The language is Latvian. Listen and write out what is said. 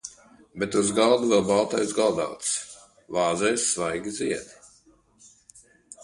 Bet uz galda vēl baltais galdauts, vāzēs svaigi ziedi.